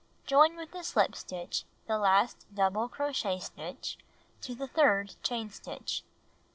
Join with a sHp stitch the last double crochet stitch to the third chain stitch.